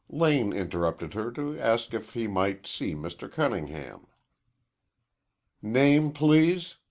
Lane interrupted her to ask if he might see Mr. Cunningham. "Name, please?"